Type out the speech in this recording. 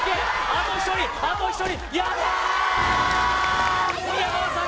あと１人あと１人！